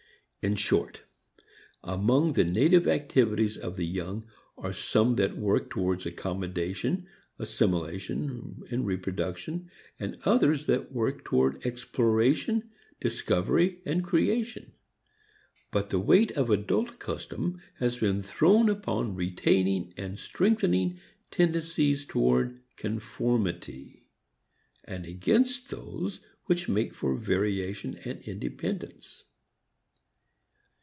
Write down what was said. In short, among the native activities of the young are some that work towards accommodation, assimilation, reproduction, and others that work toward exploration, discovery and creation. But the weight of adult custom has been thrown upon retaining and strengthening tendencies toward conformity, and against those which make for variation and independence.